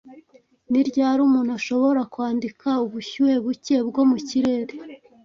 Ni ryari umuntu ashobora kwandika ubushyuhe buke bwo mu kirere